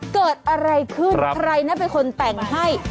เกิดอะไรขึ้นใครนะเป็นคนแต่งให้